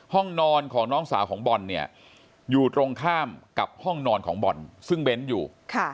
ห้องนอนของน้องสาวของบอลเนี่ยอยู่ตรงข้ามกับห้องนอนของบอลซึ่งเบ้นอยู่